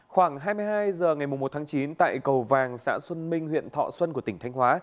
khoảng hai mươi hai h ngày một tháng chín tại cầu vàng xã xuân minh huyện thọ xuân của tỉnh thanh hóa